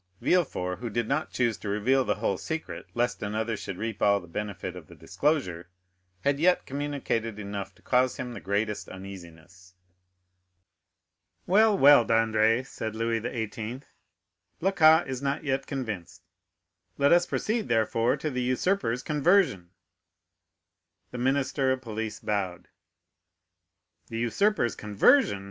Villefort, who did not choose to reveal the whole secret, lest another should reap all the benefit of the disclosure, had yet communicated enough to cause him the greatest uneasiness. "Well, well, Dandré," said Louis XVIII., "Blacas is not yet convinced; let us proceed, therefore, to the usurper's conversion." The minister of police bowed. "The usurper's conversion!"